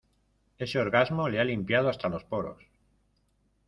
ese orgasmo le ha limpiado hasta los poros.